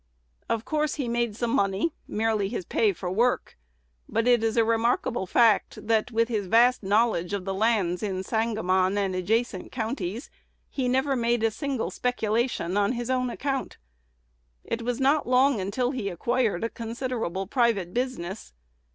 Of course he made some money, merely his pay for work; but it is a remarkable fact, that, with his vast knowledge of the lands in Sangamon and adjacent counties, he never made a single speculation on his own account. It was not long until he acquired a considerable private business.